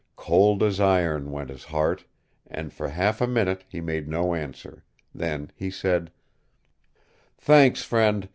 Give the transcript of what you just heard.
Cold as iron went his heart, and for half a minute he made no answer. Then he said: "Thanks, friend.